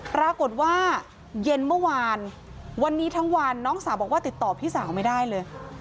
ปรากฏว่าเย็นเมื่อวานวันนี้ทั้งวันน้องสาวบอกว่าติดต่อพี่สาวไม่ได้เลย